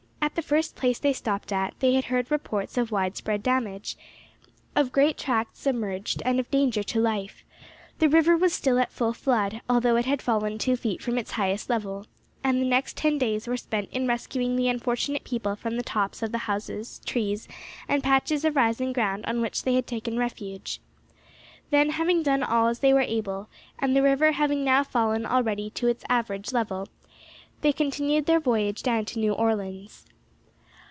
At the first place they stopped at they heard reports of widespread damage, of great tracts submerged, and of danger to life; the river was still at full flood, although it had fallen two feet from its highest level, and the next ten days were spent in rescuing the unfortunate people from the tops of the houses, trees, and patches of rising ground on which they had taken refuge. Then, having done all they were able, and the river having now fallen nearly to its average level, they continued their voyage down to New Orleans.